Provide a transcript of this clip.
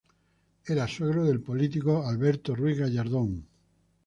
Era suegro del político Alberto Ruiz-Gallardón.